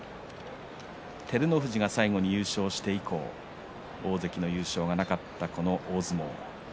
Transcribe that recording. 照ノ富士が最後に優勝して以降大関の優勝がなかったこの大相撲。